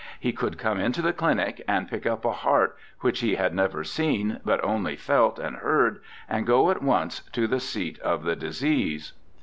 He could come into the clinic and pick up a heart which he had never seen, but only felt and heard, and go at once to the seat of the disease.